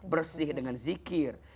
bersih dengan zikir